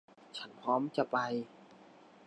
ฉันพร้อมจะไป